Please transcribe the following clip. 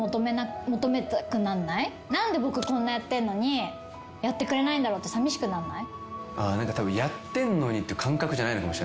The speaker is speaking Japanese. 何で僕こんなやってんのにやってくれないんだろうってさみしくなんない？